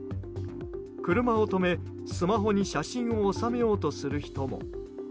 車を止め、スマホに写真を収めようとする人も。